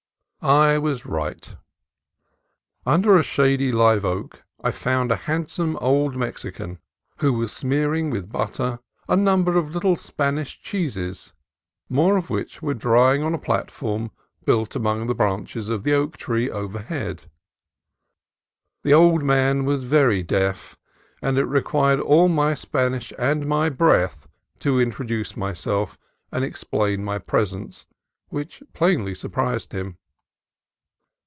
I was right. Under a shady live oak I found a handsome old Mexican who was smearing with 70 CALIFORNIA COAST TRAILS butter a number of little Spanish cheeses, more of which were drying on a platform built among the branches of the oak tree overhead. The old man was very deaf, and it required all my Spanish and my breath to introduce myself and explain my pres ence, which plainly surprised him.